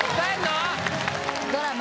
ドラマ